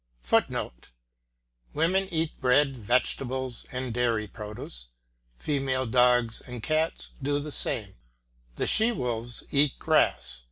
[Footnote: Women eat bread, vegetables, and dairy produce; female dogs and cats do the same; the she wolves eat grass.